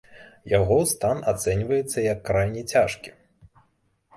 Яго стан ацэньваецца як крайне цяжкі.